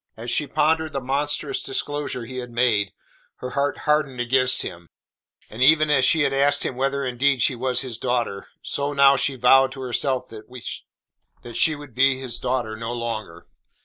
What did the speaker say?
As she pondered the monstrous disclosure he had made, her heart hardened against him, and even as she had asked him whether indeed she was his daughter, so now she vowed to herself that she would be his daughter no longer.